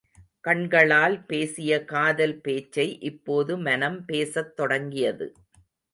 கண்களால் பேசிய காதல் பேச்சை இப்போது மனம் பேசத்தொடங்கியது.